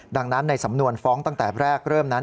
ดังนั้นในสำนวนฟ้องตั้งแต่แรกเริ่มนั้น